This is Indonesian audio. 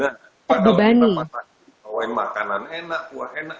kalau kita pasang di bawah ini bawain makanan enak buah enak